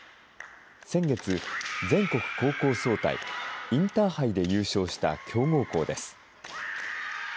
先月、全国高校総体・インターハイで優勝した強豪校です。